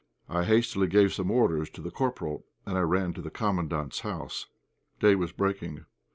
I hastily gave some orders to the corporal, and I ran to the Commandant's house. Day was breaking.